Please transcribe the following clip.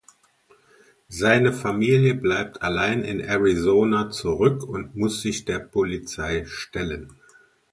Seine Familie bleibt allein in Arizona zurück und muss sich der Polizei stellen.